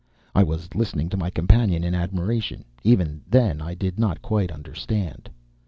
I was listening to my companion in admiration. Even then I did not quite understand.